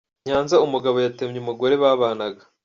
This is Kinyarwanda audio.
Nyanza umugabo Yatemye umugore babanaga